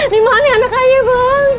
dimana anak ayah bang